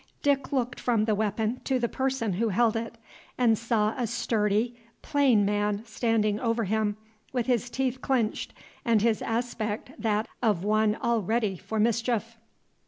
Dick looked from the weapon to the person who held it, and saw a sturdy, plain man standing over him, with his teeth clinched, and his aspect that of one all ready for mischief.